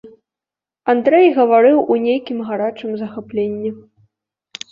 Андрэй гаварыў у нейкім гарачым захапленні.